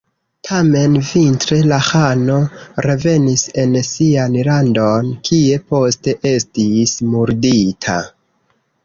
Tamen vintre la ĥano revenis en sian landon, kie poste estis murdita.